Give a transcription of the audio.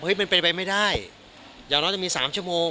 เฮ้ยมันเป็นไปไม่ได้อย่างนั้นจะมีสามชั่วโมง